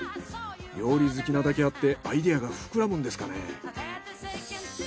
料理好きなだけあってアイデアが膨らむんですかね。